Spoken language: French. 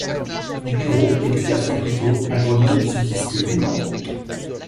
Du bureau élu quatre ans plus tôt, à Grenoble ne subsistent que huit membres.